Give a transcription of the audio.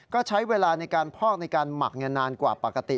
ก็ใช้เวลาในการพอกในการหมักนานกว่าปกติ